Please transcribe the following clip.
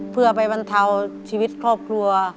เพื่อไปบรรเทาชีวิตครอบครัว